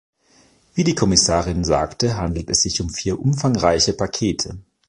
Wie die Kommissarin sagte, handelt es sich um vier umfangreiche Pakete.